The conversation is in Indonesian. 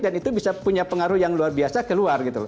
dan itu bisa punya pengaruh yang luar biasa keluar